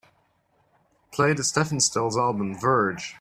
Play the Stephen Stills album Verge